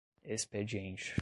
expediente